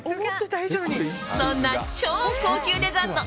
そんな超高級デザート